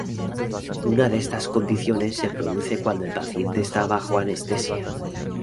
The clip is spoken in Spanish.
Una de estas condiciones se produce cuando el paciente está bajo anestesia.